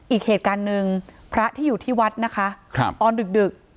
อีกเหตุการณ์หนึ่งพระที่อยู่ที่วัดนะคะตอนดึก